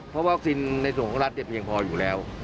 เพราะวัคซีนในส่วนของรัฐเพียงพออยู่แล้ว